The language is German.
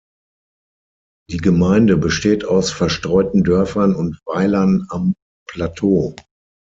Die Gemeinde besteht aus verstreuten Dörfern und Weilern am Plateau.